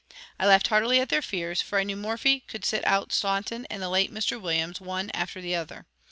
I laughed heartily at their fears, for I knew Morphy could sit out Staunton and the late Mr. Williams one after the other.